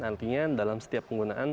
artinya dalam setiap penggunaan